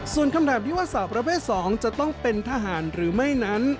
ส่วนคำถามที่ว่าสาวประเภท๒จะต้องเป็นทหารหรือไม่นั้น